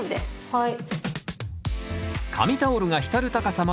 はい。